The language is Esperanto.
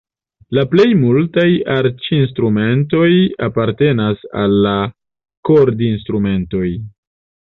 La plej multaj arĉinstrumentoj apartenas al la kordinstrumentoj.